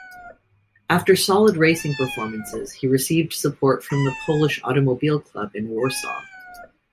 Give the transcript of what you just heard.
After solid racing performances, he received support from the Polish automobile club in Warsaw.